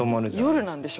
夜なんでしょうね。